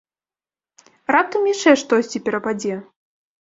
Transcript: Раптам яшчэ штосьці перападзе?